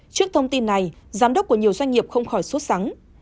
trước thông tin này giám đốc của nhiều doanh nghiệp không khỏi xuất sẵn